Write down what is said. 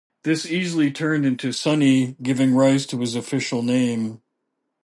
This easily turned into Sonny, giving rise to his "official" name.